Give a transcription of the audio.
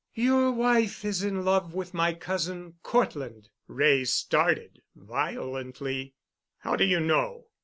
Your wife is in love with my cousin Cortland." Wray started violently. "How do you know?"